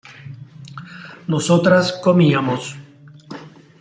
nosotras comíamos